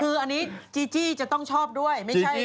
คืออันนี้จีจี้จะต้องชอบด้วย